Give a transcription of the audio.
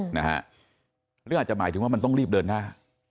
หรืออาจจะหมายถึงว่ามันต้องรีบเดินหน้า